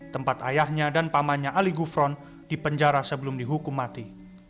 tempat ayahnya dan pamannya ali gufron dipenjara sebelum dihukum mati